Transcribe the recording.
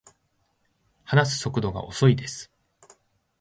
話す速度が遅いです